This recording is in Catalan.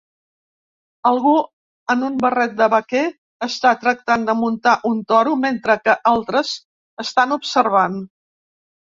Algú en un barret de vaquer està tractant de muntar un toro, mentre que altres estan observant.